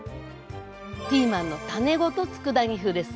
ピーマンの種ごとつくだ煮風です。